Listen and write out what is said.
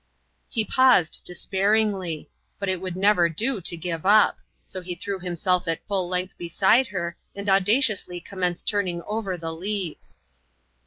He paused despairingly ; but it would never do to give up ; so he threw himself at full length beside h^, and audaciously eommenced turning over the leaves.